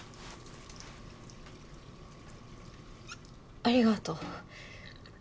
ありがとう。